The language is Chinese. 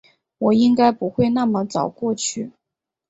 我应该不会那么早过去